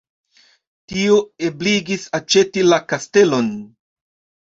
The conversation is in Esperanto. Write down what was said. Tio ebligis aĉeti la kastelon.